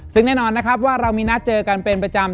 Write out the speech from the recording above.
ซึ่งแน่นอนนะครับว่าเรามีนัดเจอกันเป็นประจำ